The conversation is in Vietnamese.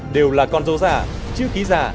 đều là con dô giả chứa khí giả